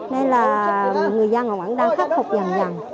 nên là người dân họ vẫn đang khắc phục dằn dằn